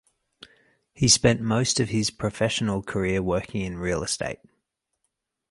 He spent most of his professional career working in real estate.